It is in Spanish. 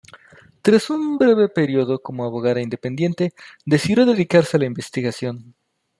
Tras un breve periodo como abogada independiente decidió dedicarse a la investigación.